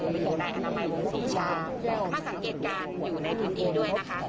ไปส่งนายอนามัยหรือศรีชามาสังเกตการณ์อยู่ในพื้นที่ด้วยนะคะ